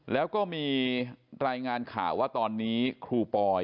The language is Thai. แล้วก็มีรายงานข่าวว่าตอนนี้ครูปอย